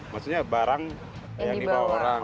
maksudnya barang yang dibawa orang